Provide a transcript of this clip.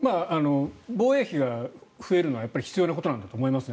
防衛費が増えるのは必要なことなんだと思います